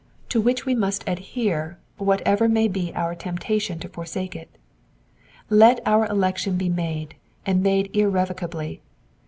73 to which we must adhere whatever may be our temptation to forsake it. Let our election be made, and made irrevocably.